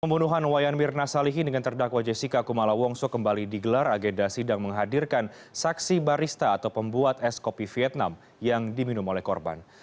pembunuhan wayan mirna salihin dengan terdakwa jessica kumala wongso kembali digelar agenda sidang menghadirkan saksi barista atau pembuat es kopi vietnam yang diminum oleh korban